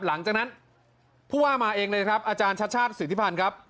หลังจากนั้นผู้ว่ามาเองเลยครับอาจารย์ชาติชาติสิทธิพันธ์ครับ